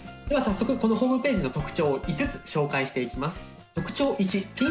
では早速このホームページの特徴を５つ紹介していきます。